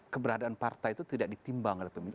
keberadaan partai itu tidak ditimbang oleh pemimpin